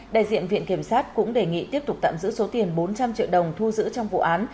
đại diện viện kiểm sát cũng đề nghị tiếp tục tạm giữ số tiền bốn trăm linh triệu đồng thu giữ trong vụ án